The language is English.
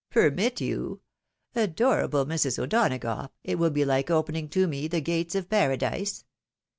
" Permit you ? Adorable Mrs. O'Donagough, it will be like opening to me the gates of paradise.